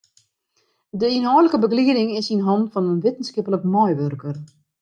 De ynhâldlike begelieding is yn hannen fan in wittenskiplik meiwurker.